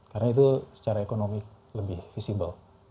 karena itu secara ekonomi lebih visible